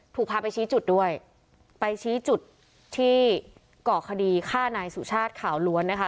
ถูกพาไปชี้จุดด้วยไปชี้จุดที่ก่อคดีฆ่านายสุชาติข่าวล้วนนะคะ